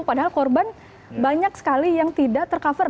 padahal korban banyak sekali yang tidak tercover